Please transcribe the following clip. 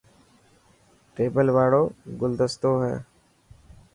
ٽيبل واڙو گلدستو هي.